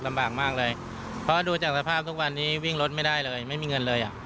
ลำบากมากเลยเพราะดูจากสภาพทุกวันนี้วิ่งรถไม่ได้เลยไม่มีเงินเลยอ่ะ